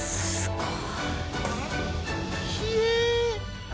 すごい。